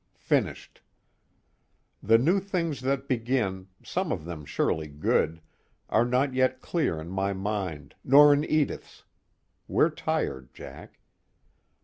Finished. The new things that begin, some of them surely good, are not yet clear in my mind, nor in Edith's we're tired, Jack.